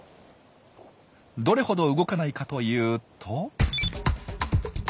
どれほど動かないかというと。